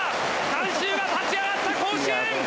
観衆が立ち上がった甲子園！